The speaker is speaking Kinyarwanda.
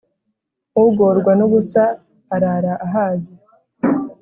Ugorwa n’ubusa arara ahaze